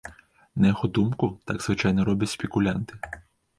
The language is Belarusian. На яго думку, так звычайна робяць спекулянты.